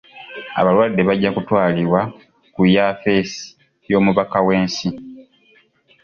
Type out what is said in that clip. Abalwadde bajja kutwalibbwa ku yaffesi y'omubaka w'ensi.